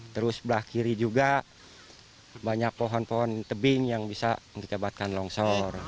terus sebelah kiri juga banyak pohon pohon tebing yang bisa menyebabkan longsor